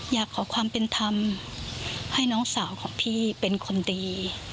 อยากขอความเป็นธรรมให้น้องสาวของพี่เป็นคนดี